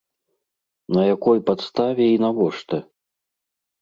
На якой падставе і навошта?